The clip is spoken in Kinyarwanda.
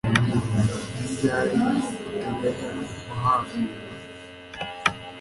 Ni ryari uteganya guhambira